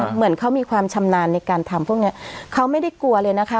เหมือนเขามีความชำนาญในการทำพวกเนี้ยเขาไม่ได้กลัวเลยนะคะ